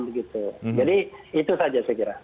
jadi itu saja saya kira